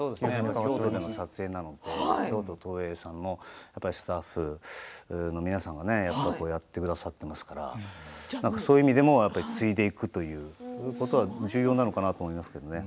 京都での撮影なので京都東映さんのスタッフ皆さんがやってくださっていますからそういう意味でも継いでいくということは重要なのかなと思いますね。